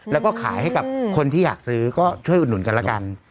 แล้วก็ขายให้กับคนที่อยากซื้อก็ช่วยอุดหนุนกันละกัน